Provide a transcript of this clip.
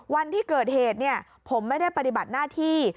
วันที่เกิดเหตุผมไม่ได้ปฏิบัติหน้าที่